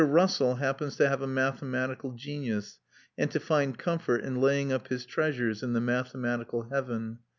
Russell happens to have a mathematical genius, and to find comfort in laying up his treasures in the mathematical heaven.